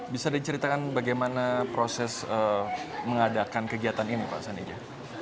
bisa diceritakan bagaimana proses mengadakan kegiatan ini pak sanija